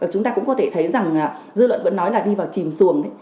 chúng ta cũng có thể thấy rằng dư luận vẫn nói là đi vào chìm xuồng